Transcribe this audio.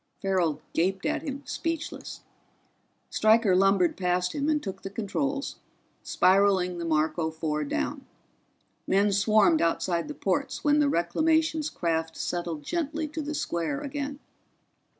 Farrell gaped at him, speechless. Stryker lumbered past him and took the controls, spiraling the Marco Four down. Men swarmed outside the ports when the Reclamations craft settled gently to the square again.